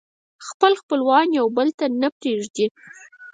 خپل خپلوان يو بل نه پرېږدي